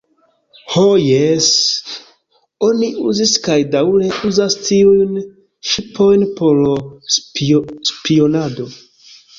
Ho jes, oni uzis kaj daŭre uzas tiujn ŝipojn por spionado.